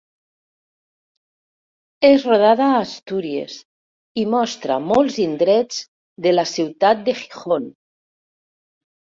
És rodada a Astúries i mostra molts indrets de la ciutat de Gijón.